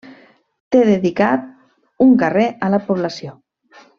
Té dedicat un carrer a la població.